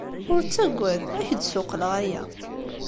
Ur ttaggad, ad ak-d-ssuqqleɣ aya.